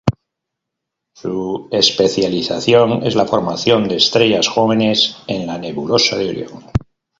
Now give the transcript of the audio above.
Su especialización es la formación de estrellas jóvenes en la nebulosa de Orión.